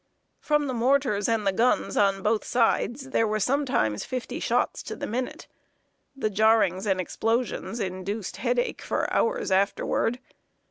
] From the mortars and the guns on both sides, there were sometimes fifty shots to the minute. The jarrings and explosions induced head ache for hours afterward.